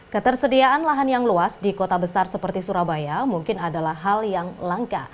ketersediaan lahan yang luas di kota besar seperti surabaya mungkin adalah hal yang langka